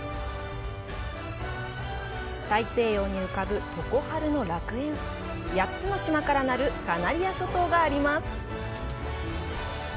大西洋に浮かぶ常春の楽園、８つの島から成るカナリア諸島があります。